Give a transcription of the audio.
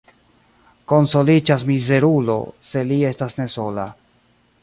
Konsoliĝas mizerulo, se li estas ne sola.